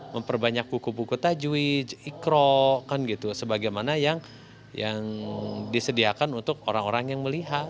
memperbanyak buku buku tajwi ikro kan gitu sebagaimana yang disediakan untuk orang orang yang melihat